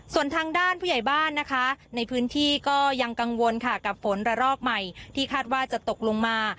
ส่วนทางด้านผู้ใหญ่บ้านนะคะในพื้นที่ก็ยังกังวลค่ะกับฝนระลอกใหม่ที่คาดว่าจะตกลงมา